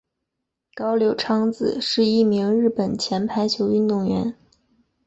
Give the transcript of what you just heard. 高柳昌子是一名日本前排球运动员。